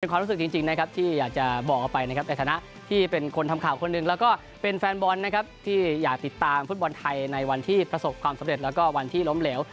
ความรู้สึกจริงนะครับที่อยากจะบอกเอาไปนะครับในฐานะที่เป็นคนทำข่าวคนหนึ่งแล้วก็เป็นแฟนบอลนะครับที่อยากติดตามฟุตบอลไทยในวันที่ประสบความสำเร็จแล้วก็วันที่ล้มเหลว